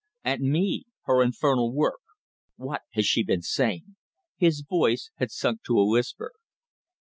At me! her infernal work. What has she been saying?" His voice had sunk to a whisper.